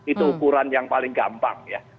itu ukuran yang paling gampang ya